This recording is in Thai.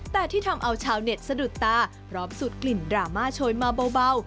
แต่ที่ทำเอาชาวเน็ตสะดุดตาพร้อมสุดกลิ่นดราม่าโชยมาเบา